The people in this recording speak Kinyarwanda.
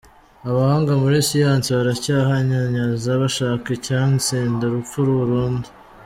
Abahanga muri siyansi baracyahanyanyaza bashaka icyatsinda urupfu burundu.